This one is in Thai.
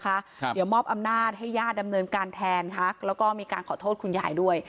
ครับเดี๋ยวมอบอำนาจให้ญาติดำเนินการแทนค่ะแล้วก็มีการขอโทษคุณยายด้วย